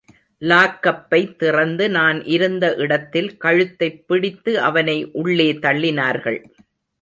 லாக்கப்பை திறந்து நான் இருந்த இடத்தில் கழுத்தைப் பிடித்து அவனை உள்ளே தள்ளினார்கள்.